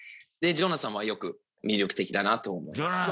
ジョナサンはよく魅力的だなと思います。